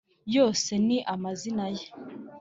yose ni amazina ye